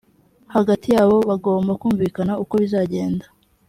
hagati yabo bagomba kumvikana uko bizagenda